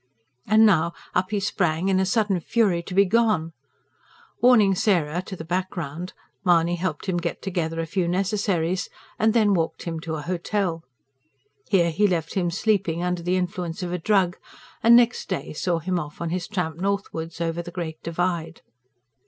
And now up he sprang, in a sudden fury to be gone. Warning Sarah into the background, Mahony helped him get together a few necessaries, and then walked him to a hotel. Here he left him sleeping under the influence of a drug, and next day saw him off on his tramp northwards, over the Great Divide.